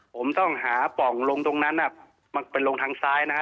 ผมต้องหาปล่องลงตรงนั้นมันไปลงทางซ้ายนะฮะ